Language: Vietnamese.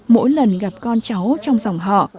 mỗi lần gặp con cháu trong dòng họ